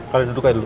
kalo duduk aja dulu